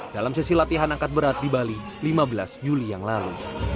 dalam sesi latihan angkat berat di bali lima belas juli yang lalu